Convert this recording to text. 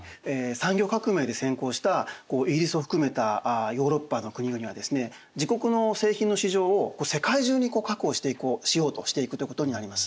産業革命で先行したイギリスを含めたヨーロッパの国々はですね自国の製品の市場を世界中に確保していこうしようとしていくということになります。